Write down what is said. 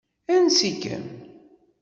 Ansi-kem.